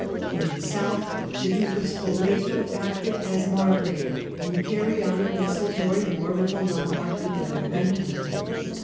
In the South the Duke of Spoleto acted as margrave and carried on a desultory war with the Lombard Duke of Beneventum.